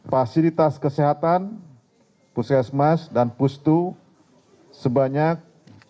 fasilitas kesehatan puskesmas dan pustu sebanyak empat belas